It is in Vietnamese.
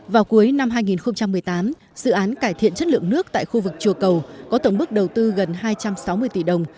vào cuối năm hai nghìn một mươi tám dự án cải thiện chất lượng nước tại khu vực chùa cầu có tổng bức đầu tư gần hai trăm sáu mươi tỷ đồng